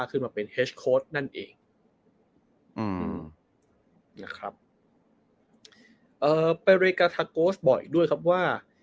อืมนะครับเอ่อบริการ์ทาโกสต์บ่อยด้วยครับว่า